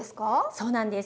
そうなんです。